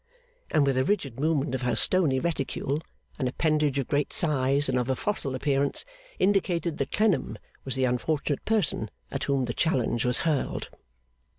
And, with a rigid movement of her stony reticule (an appendage of great size and of a fossil appearance), indicated that Clennam was the unfortunate person at whom the challenge was hurled.